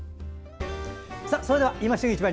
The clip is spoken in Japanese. それでは、「いま旬市場」。